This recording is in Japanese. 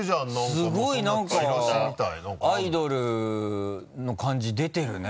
すごいなんかアイドルの感じ出てるね